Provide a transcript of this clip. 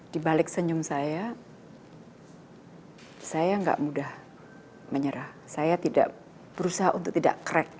di balik senyum saya saya tidak mudah menyerah saya tidak berusaha untuk tidak crack